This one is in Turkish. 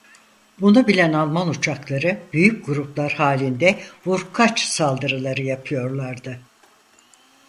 Bunu bilen Alman uçakları büyük gruplar halinde vur-kaç saldırıları yapıyorlardı.